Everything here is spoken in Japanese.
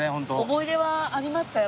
思い出はありますか？